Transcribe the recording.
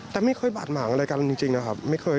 แต่ไม่เคยบาดหมางอะไรกันจริงนะครับ